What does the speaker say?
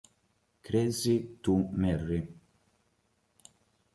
Crazy to Marry